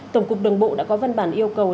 tổng cục đường bộ đã có văn bản yêu cầu